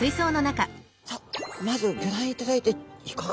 さあまずギョ覧いただいていかがですか印象的には。